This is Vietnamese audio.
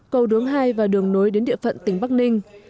cầu đuống hai và đường nối đến địa phận tỉnh bắc ninh